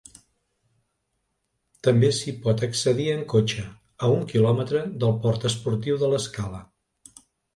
També s'hi pot accedir en cotxe, a un quilòmetre del port esportiu de l'Escala.